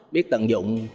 biết tận dụng